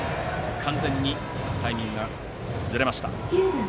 完全にタイミングがずれました。